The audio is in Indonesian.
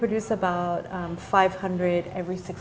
oh itu cukup banyak